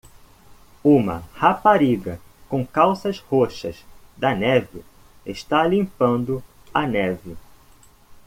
Uma rapariga com calças roxas da neve está limpando a neve.